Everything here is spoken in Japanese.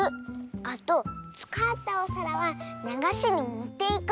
あとつかったおさらはながしにもっていく。